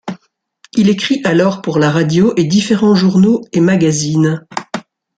Il écrit alors pour la radio et différents journaux et magazines.